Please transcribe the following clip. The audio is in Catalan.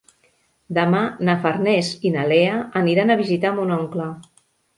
Demà na Farners i na Lea aniran a visitar mon oncle.